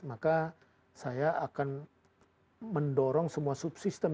maka saya akan mendorong semua subsistem